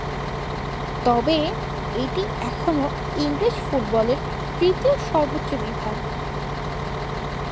তবে এটি এখনো ইংরেজ ফুটবলের তৃতীয় সর্বোচ্চ বিভাগ।